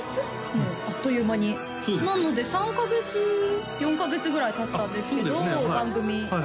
もうあっという間にそうですよなので３カ月４カ月ぐらいたったんですけど番組あっそうですね